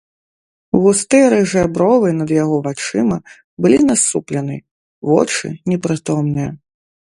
Густыя рыжыя бровы над яго вачыма былі насуплены, вочы непрытомныя.